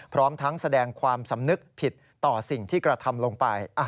พร้อมทั้งแสดงความสำนึกผิดต่อสิ่งที่กระทำลงไป